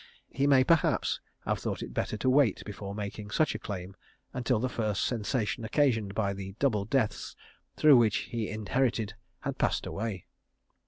He may perhaps have thought it better to wait before making such a claim until the first sensation occasioned by the double deaths through which he inherited had passed away.